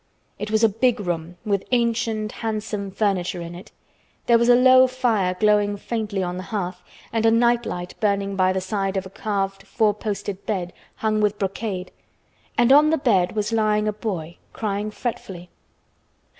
It was a big room with ancient, handsome furniture in it. There was a low fire glowing faintly on the hearth and a night light burning by the side of a carved four posted bed hung with brocade, and on the bed was lying a boy, crying fretfully.